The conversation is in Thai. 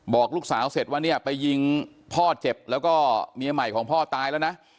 บอกลูกสาวเสร็จว่าเนี่ยไปยิงพ่อเจ็บแล้วก็เมียใหม่ของพ่อตายแล้วนะ